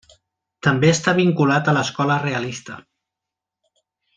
També està vinculat a l'escola realista.